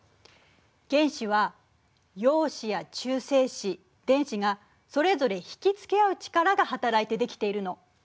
原子は陽子や中性子電子がそれぞれ引き付け合う力が働いて出来ているの。